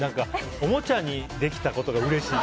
おもちゃにできたことがうれしい。